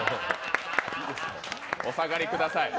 お下がりください。